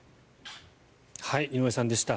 井上さんでした。